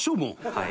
はい。